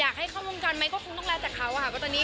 อยากให้เขาวงการไหมก็คงต้องและจากเขาขอต้อนรับ